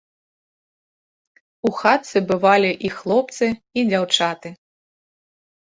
У хатцы бывалі і хлопцы і дзяўчаты.